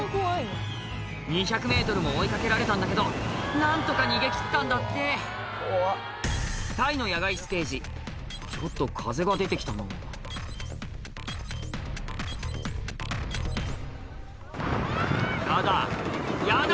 ２００ｍも追い掛けられたんだけど何とか逃げ切ったんだってタイの野外ステージちょっと風が出て来たなヤダヤダ！